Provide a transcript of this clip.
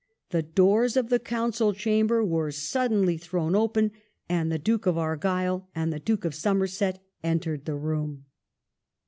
The doors of the Council chamber were suddenly thrown open and the Duke of Argyle and the Duke of Somerset entered the room.